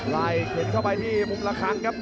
ละให้เข้ทำเข้าไปที่ภูมิละครั้งครับ